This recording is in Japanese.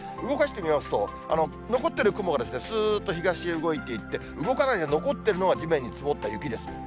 動かしてみますと、残っている雲がスーッと東へ動いていって、動かないで残ってるのが地面に積もった雪です。